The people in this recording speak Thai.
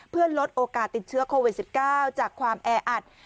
เพื่อลดโอกาสติดเชื้อโควิด๑๙จากความแออัด